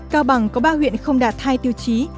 cao bằng có ba huyện không đạt hai tiêu chí